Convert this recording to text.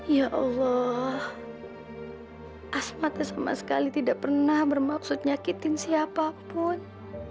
ya allah asmatnya sama sekali tidak pernah bermaksud nyakitin siapapun